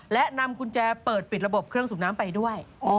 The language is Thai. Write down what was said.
และนำกุญแจเปิดปิดระบบเครื่องสูบน้ำไปด้วย